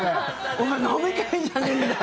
お前飲み会じゃねえんだよ。